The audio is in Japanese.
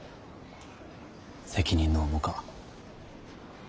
責任の重か。